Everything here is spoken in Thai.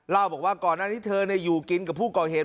เล่าบอกว่าก่อนอันนี้เธออยู่กินกับผู้ก่อเหตุ